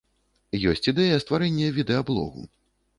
Ёсць ідэя стварэння відэаблогу.